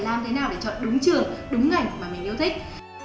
làm thế nào để chọn đúng trường đúng ngành mà mình yêu thích